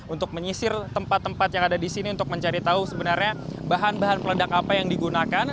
untuk menyisir tempat tempat yang ada di sini untuk mencari tahu sebenarnya bahan bahan peledak apa yang digunakan